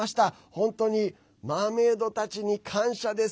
本当にマーメードたちに感謝です。